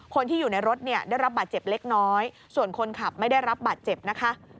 คนที่อยู่ในรถเนี่ยได้รับบาดเจ็บเล็กน้อยส่วนคนขับไม่ได้รับบาดเจ็บนะคะ